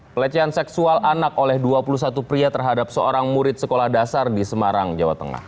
pelecehan seksual anak oleh dua puluh satu pria terhadap seorang murid sekolah dasar di semarang jawa tengah